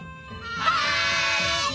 はい！